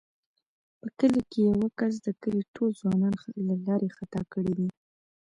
په کلي کې یوه کس د کلي ټوله ځوانان له لارې خطا کړي دي.